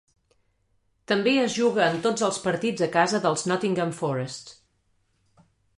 També es juga en tots els partits a casa dels Nottingham Forest.